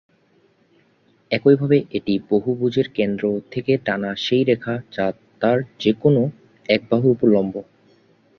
একইভাবে এটি বহুভুজের কেন্দ্র থেকে টানা সেই রেখা যা তার যেকোন এক বাহুর উপর লম্ব।